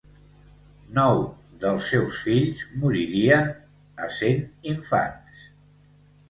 Nou dels seus fills moririen essent infants.